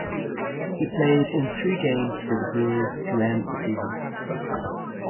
He played in three games for the Brewers to end the season.